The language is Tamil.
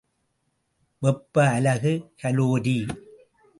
வெப்ப அலகு கலோரி.